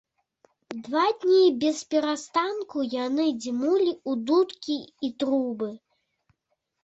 Два дні бесперастанку яны дзьмулі ў дудкі і трубы.